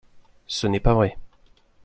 Ce n’est pas vrai.